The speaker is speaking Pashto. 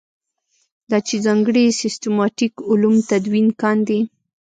دا چې ځانګړي سیسټماټیک علوم تدوین کاندي.